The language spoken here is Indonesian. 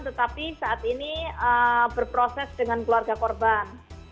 tetapi saat ini berproses dengan keluarga korban